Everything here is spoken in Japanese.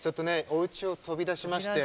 おうちを飛び出しまして。